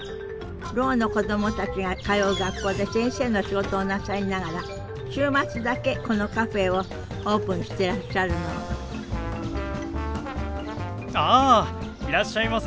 ろうの子どもたちが通う学校で先生の仕事をなさりながら週末だけこのカフェをオープンしてらっしゃるのあいらっしゃいませ。